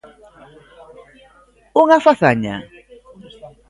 Unha fazaña?